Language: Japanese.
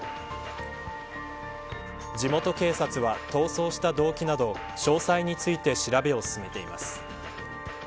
地元警察は、逃走した動機など詳細について調べています。